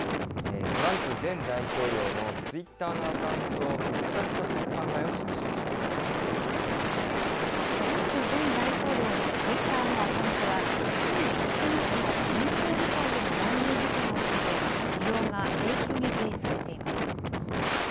トランプ前大統領のツイッターのアカウントを復活させる考えを示トランプ前大統領のツイッターのアカウントは、去年１月の連邦議会への乱入事件を受けて、利用が永久に停止されています。